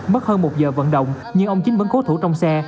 mất hơn một giờ vận động nhưng ông chính vẫn cố thủ trong xe